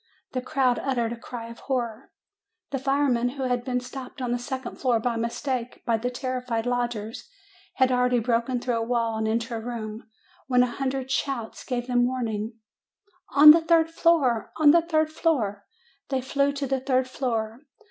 The crowd uttered a cry of horror. The firemen, who had been stopped on the second floor by mistake by the terrified lodgers, had already broken through a wall and into a room, when a hundred shouts gave them warning: " 'On the third floor! On the third floor!' "They flew to the third floor.